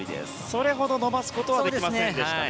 それほど伸ばすことはできませんでしたね。